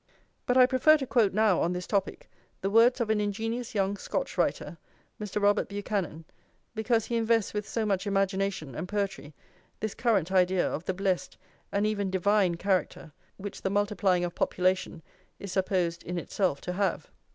But I prefer to quote now, on this topic, the words of an ingenious young Scotch writer, Mr. Robert Buchanan, because he invests with so much imagination and poetry this current idea of the blessed and even divine character which the multiplying of population is supposed in itself to have.